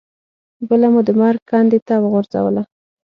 بله مو د مرګ کندې ته وغورځوله.